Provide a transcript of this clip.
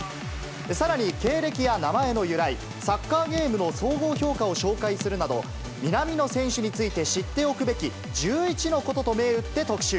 さらに経歴や名前の由来、サッカーゲームの総合評価を紹介するなど、南野選手について知っておくべき１１のことと銘打って特集。